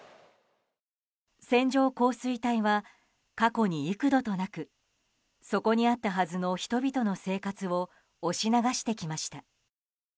線状降水帯は過去に幾度となくそこにあったはずの人々の生活を押し流してきました。